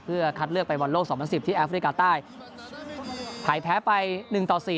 คัดเลือกไปบอลโลกสองพันสิบที่แอฟริกาใต้ไทยแพ้ไปหนึ่งต่อสี่